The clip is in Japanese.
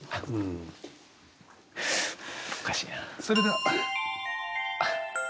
それでは。